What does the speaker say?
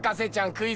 クイズ